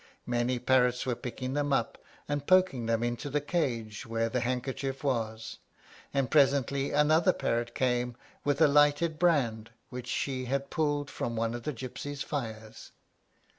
Many parrots were picking them up, and poking them into the cage where the handkerchief was; and presently another parrot came with a lighted brand, which she had pulled from one of the gypsies' fires.